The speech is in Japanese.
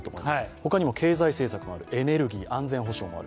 他にも経済政策もある、エネルギー安全保障もある。